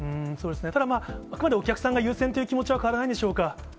そうですね、ただまあ、あくまでお客さんが優先という気持ちは変わらないんでしょうか。